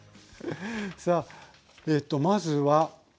さあええとまずは。